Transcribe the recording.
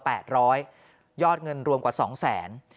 เพราะคนที่เป็นห่วงมากก็คุณแม่ครับ